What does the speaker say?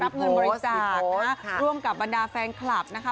เงินบริจาคนะร่วมกับบรรดาแฟนคลับนะคะ